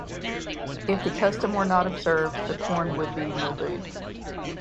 If the custom were not observed, the corn would be mildewed.